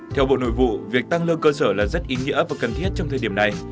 theo bộ nội vụ việc tăng lương cơ sở là rất ý nghĩa và cần thiết trong thời điểm này